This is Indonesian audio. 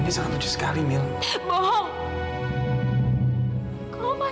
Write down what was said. sekarang kamu udah lihat kan